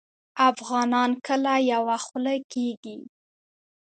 افغانان کله یوه خوله کیږي؟